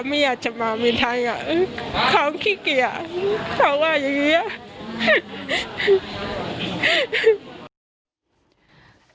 ไม่อยากจะมาเมียนทางเขาขี้เกียจเขาว่าอย่างนี้อะ